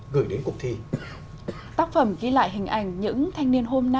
gửi đến cuộc thi